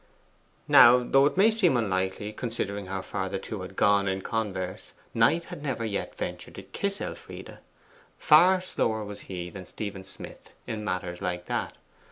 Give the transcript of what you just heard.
Now, though it may seem unlikely, considering how far the two had gone in converse, Knight had never yet ventured to kiss Elfride. Far slower was he than Stephen Smith in matters like that.